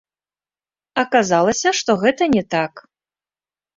Аказалася, што гэта не так.